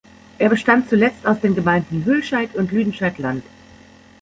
Er bestand zuletzt aus den Gemeinden Hülscheid und Lüdenscheid-Land.